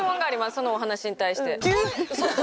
そのお話に対して。